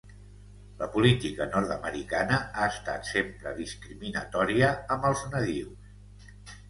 La política nord-americana ha estat sempre discriminatòria amb els nadius.